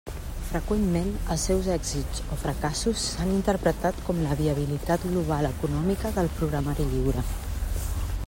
Freqüentment, els seus èxits o fracassos s'han interpretat com la viabilitat global econòmica del programari lliure.